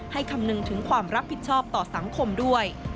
คำนึงถึงความรับผิดชอบต่อสังคมด้วย